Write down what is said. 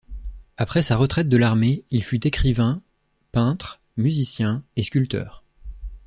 Après sa retraite de l'armée, il fut écrivain, peintre, musicien et sculpteur.